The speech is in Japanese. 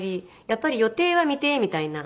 やっぱり予定は未定みたいな。